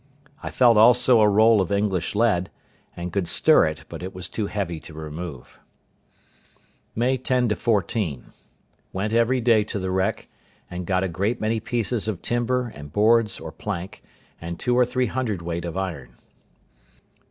I felt also a roll of English lead, and could stir it, but it was too heavy to remove. May 10–14.—Went every day to the wreck; and got a great many pieces of timber, and boards, or plank, and two or three hundredweight of iron.